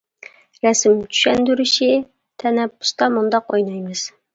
رەسىم : چۈشەندۈرۈشى : تەنەپپۇستا مۇنداق ئوينايمىز.